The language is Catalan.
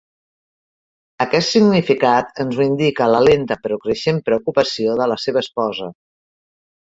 Aquest significat ens ho indica la lenta però creixent preocupació de la seva esposa.